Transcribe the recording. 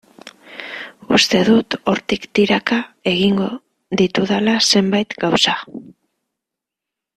Uste dut hortik tiraka egingo ditudala zenbait gauza.